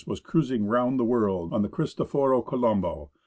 was cruising round the world on the Cristoforo Colombo.